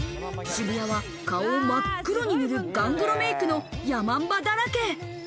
渋谷は、顔を真っ黒に塗るガングロメイクのヤマンバだらけ。